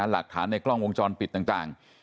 หลักฐานในกล้องวงจรปิดต่าง